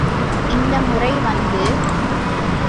இந்த முறை வந்து.